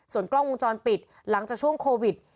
ส่วนกล้องวงจรปิดหลังจากช่วงโควิด